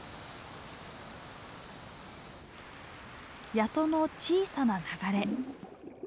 谷戸の小さな流れ。